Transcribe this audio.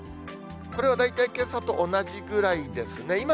これは大体けさと同じぐらいですね。